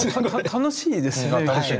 楽しいんですよ。